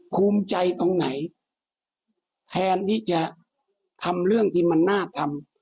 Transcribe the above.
ภูมิใจตรงไหนแทนที่จะทำเรื่องที่มันน่าทำ